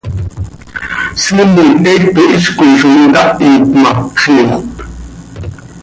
Siimet heecto hizcoi zo htahit ma, xiixöp.